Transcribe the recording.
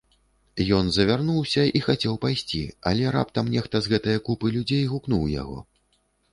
Ён завярнуўся і хацеў пайсці, але раптам нехта з гэтае купы людзей гукнуў яго.